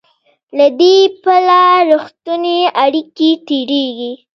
له دې پله رښتونې اړیکې تېرېږي.